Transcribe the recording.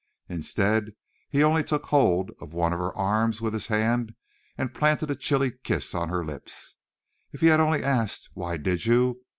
Instead he only took hold of one of her arms with his hand and planted a chilly kiss on her lips. If he had only asked, "Why did you?"